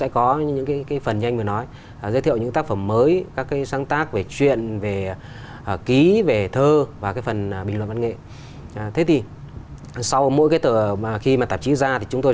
có những cái bài nó chỉ là tin rất ngắn thôi